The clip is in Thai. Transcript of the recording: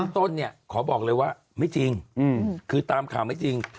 ต้นเนี่ยขอบอกเลยว่าไม่จริงคือตามข่าวไม่จริง